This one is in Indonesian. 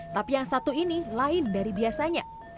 tapi yang satu ini lain dari biasanya